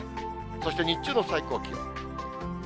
そして日中の最高気温。